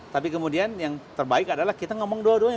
tapi kemudian yang terbaik adalah kita ngomong dua duanya